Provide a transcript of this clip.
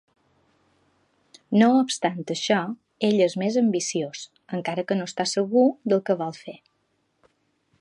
No obstant això, ell és més ambiciós, encara que no està segur del que vol fer.